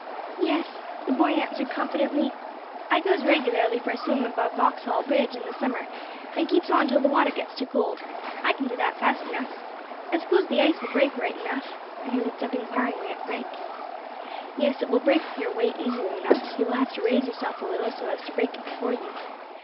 "Yes," the boy answered confidently, "I goes regularly for a swim above Vauxhall Bridge in the summer, and keeps on until the water gets too cold. I can do that fast enough. I suppose the ice will break right enough," and he looked up inquiringly at Frank. "Yes, it will break with your weight easily enough; you will have to raise yourself a little so as to break it before you.